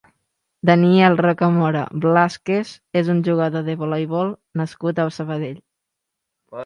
Daniel Rocamora Blázquez és un jugador de voleibol nascut a Sabadell.